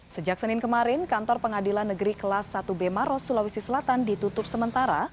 sejak senin kemarin kantor pengadilan negeri kelas satu b maros sulawesi selatan ditutup sementara